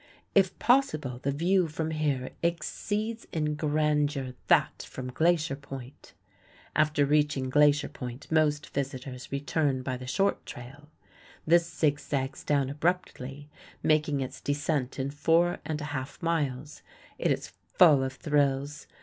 If possible, the view from here exceeds in grandeur that from Glacier Point. After reaching Glacier Point most visitors return by the short trail. This zig zags down abruptly, making its descent in four and a half miles. It is full of thrills.